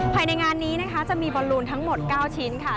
ภายในงานนี้นะคะจะมีบอลลูนทั้งหมด๙ชิ้นค่ะ